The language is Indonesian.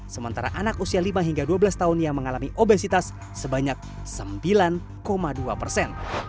sementara anak usia lima hingga dua belas tahun yang mengalami obesitas sebanyak sembilan dua persen